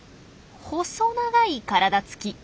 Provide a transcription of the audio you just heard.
細長い体つき。